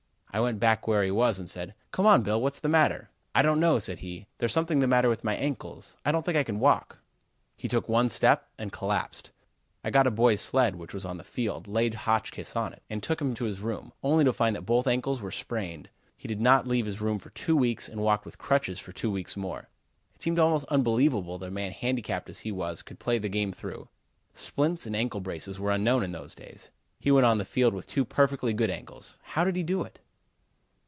I went back where he was and said: "'Come on, Bill, what's the matter?' "'I don't know,' said he. 'There's something the matter with my ankles. I don't think I can walk.' "He took one step and collapsed. I got a boy's sled, which was on the field, laid Hotchkiss on it and took him to his room, only to find that both ankles were sprained. He did not leave his room for two weeks and walked with crutches for two weeks more. It seemed almost unbelievable that a man handicapped as he was could play the game through. Splints and ankle braces were unknown in those days. He went on the field with two perfectly good ankles. How did he do it?"